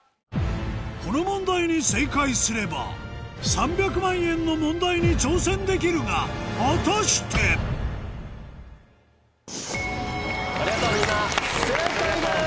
この問題に正解すれば３００万円の問題に挑戦できるが果たして⁉正解です！